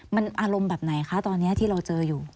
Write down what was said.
มันอารมณ์แบบไหนคะตอนนี้ที่เราเจออยู่